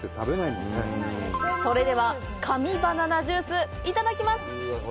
それでは、神バナナジュースいただきます！